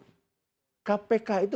kpk itu pekerjaan